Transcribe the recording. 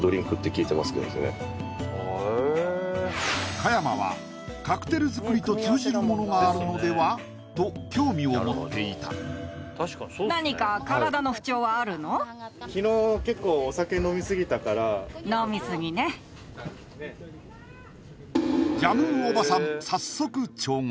鹿山はカクテル作りと通じるものがあるのでは？と興味を持っていたジャムウおばさん